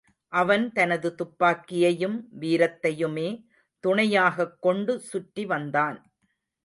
அவன் தனது துப்பாக்கியையும் வீரத்தையுமே துணையாகக் கொண்டு சுற்றி வந்தான்.